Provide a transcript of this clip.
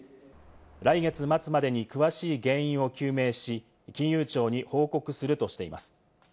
来月末までに詳しい原因を究明し、金融庁に報告するとしています。